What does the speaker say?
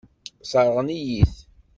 Sseṛɣen-iyi-t.